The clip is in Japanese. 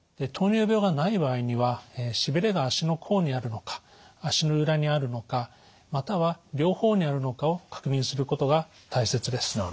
糖尿病がない場合にはしびれが足の甲にあるのか足の裏にあるのかまたは両方にあるのかを確認することが大切です。